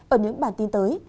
ở những bản tin tới